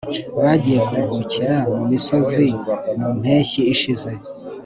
bagiye kuruhukira mumisozi mu mpeshyi ishize